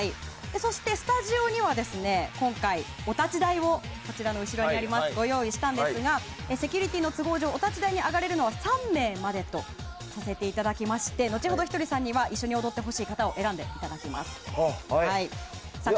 そして、スタジオにはお立ち台を用意したのですがセキュリティーの都合上お立ち台に上がれるのは３名までとさせていただきまして後ほど、ひとりさんには一緒に踊ってほしい方を選んでいただきます。